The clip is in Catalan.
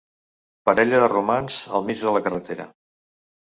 Parella de romans al mig de la carretera.